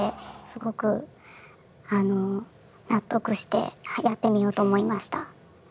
すごく納得してやってみようと思いました。